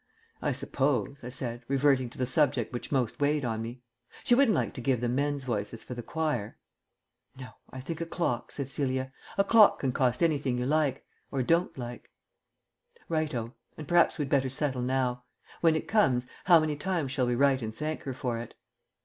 "I suppose," I said, reverting to the subject which most weighed on me, "she wouldn't like to give the men's voices for the choir?" "No, I think a clock," said Celia. "A clock can cost anything you like or don't like." "Right o. And perhaps we'd better settle now. When it comes, how many times shall we write and thank her for it?"